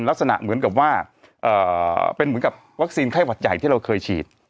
ลักษณะเหมือนกับว่าเป็นเหมือนกับวัคซีนไข้หวัดใหญ่ที่เราเคยฉีด